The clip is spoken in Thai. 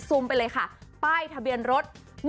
ไปเลยค่ะป้ายทะเบียนรถ